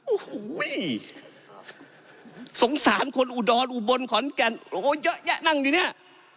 โอ้โหสงสารคนอุดรอุบลขอนแก่นโอ้โหเยอะแยะนั่งอยู่เนี่ย